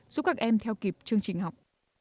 giúp các em theo kịp chương trình học